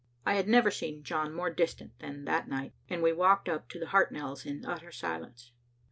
I had never seen John more distrait than that night, and we walked up to the Hartnells' in utter silence.